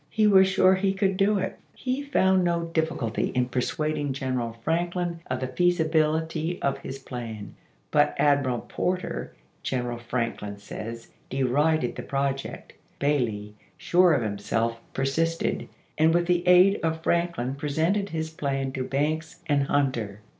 He was sure he could do it. He found no diffi culty in persuading General Franklin of the feasi bility of his plan, but Admiral Porter, General Franklin says, derided the project. Bailey, sure of himself, persisted, and with the aid of Franklin presented his plan to Banks and Hunter.